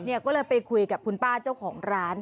ก็เลยไปคุยกับคุณป้าเจ้าของร้าน